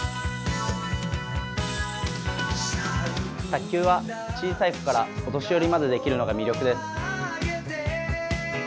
卓球は小さい子からお年寄りまでできるのが魅力です。